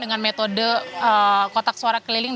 dengan metode kotak suara keliling